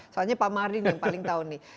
soalnya pak mardin yang paling tahu nih